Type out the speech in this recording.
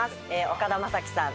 岡田将生さん